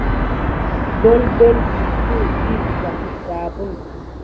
Doldol kulku vi kegampe dabin.